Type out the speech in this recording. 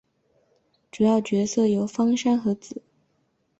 主要角色有芳山和子。